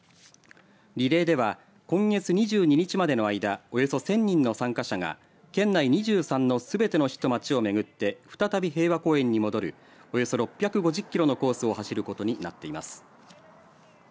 リレーでは今月２２日までの間、およそ１０００人の参加者が県内２３のすべての市と町を巡って再び平和公園に戻るおよそ６５０キロのコースを走ることになっています。